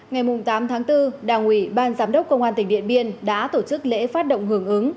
ngày tám tháng bốn đảng ủy ban giám đốc công an tỉnh điện biên đã tổ chức lễ phát động hưởng ứng